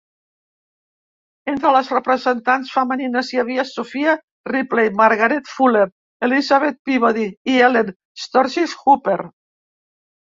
Entre les representants femenines hi havia Sophia Ripley, Margaret Fuller, Elizabeth Peabody i Ellen Sturgis Hooper.